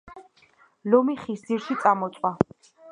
ლომი ხის ძირში წამოწვა